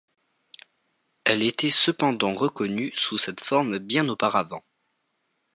Elle était cependant reconnue sous cette forme bien auparavant.